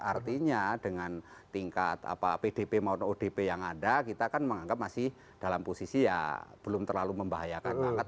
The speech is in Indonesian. artinya dengan tingkat pdp maupun odp yang ada kita kan menganggap masih dalam posisi ya belum terlalu membahayakan banget